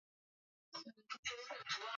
Nilipata gari langu jana